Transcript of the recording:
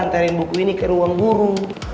antarin buku ini ke ruang guru